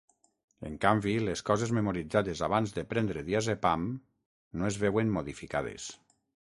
En canvi, les coses memoritzades abans de prendre diazepam no es veuen modificades.